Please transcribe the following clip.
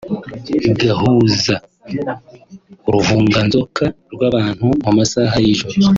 gahuza uruvunganzoka rw’abantu mu masaha y’ijoro